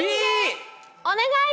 お願い！